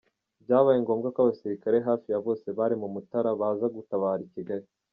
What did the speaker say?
Byabaye ngombwa ko Abasirikare hafi ya bose bari mu Mutara baza gutabara Kigali.